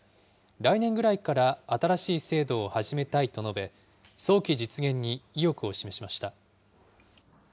来年ぐらいから新しい制度を始めたいと述べ、早期実現に意欲を示しました。